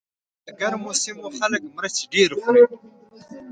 ولې د ګرمو سیمو خلک مرچ ډېر خوري.